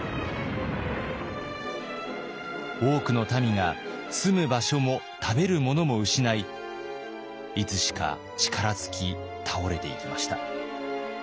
多くの民が住む場所も食べるものも失いいつしか力尽き倒れていきました。